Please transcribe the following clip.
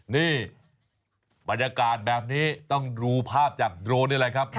นี่บรรยากาศแบบนี้ต้องดูภาพจากโดรนนี่แหละครับ